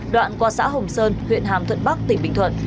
đoạn qua xã hồng sơn huyện hàm thuận bắc tỉnh bình thuận